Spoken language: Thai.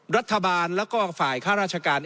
รัฐบาลแล้วก็ฝ่ายค่าราชการ